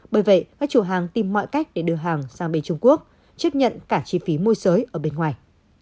bởi vậy các chủ hàng tìm mọi cách để đưa hàng sang bên trung quốc chấp nhận cả chi phí môi giới ở bên ngoài